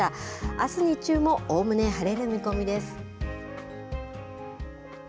あす日中もおおむね晴れる見込みです。